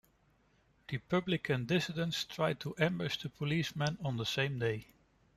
Republican dissidents tried to ambush policemen on the same day.